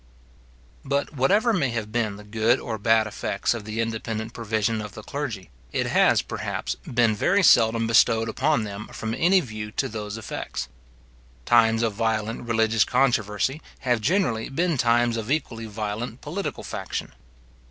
But whatever may have been the good or bad effects of the independent provision of the clergy, it has, perhaps, been very seldom bestowed upon them from any view to those effects. Times of violent religious controversy have generally been times of equally violent political faction.